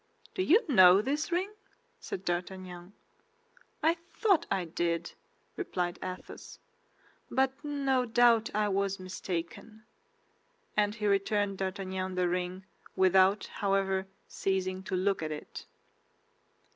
"Do you know this ring?" said D'Artagnan. "I thought I did," replied Athos; "but no doubt I was mistaken." And he returned D'Artagnan the ring without, however, ceasing to look at it.